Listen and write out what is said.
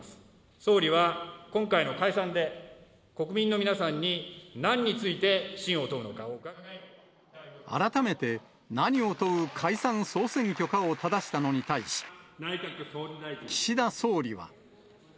総理は今回の解散で、国民の皆さんに、改めて、何を問う解散・総選挙かをただしたのに対し、岸田総理は。